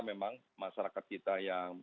memang masyarakat kita yang